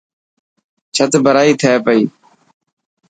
ڇٿ ڀرائي ٿي پئي.